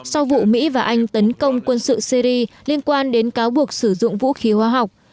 sau vụ mỹ và anh tấn công quân sự syri liên quan đến cáo buộc sử dụng vũ khí hóa học